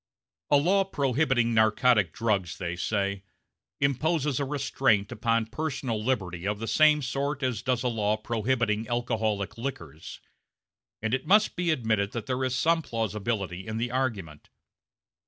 A law prohibiting narcotic drugs, they say, imposes a restraint upon personal liberty of the same sort as does a law prohibiting alcoholic liquors. And it must be admitted that there is some plausibility in the argument.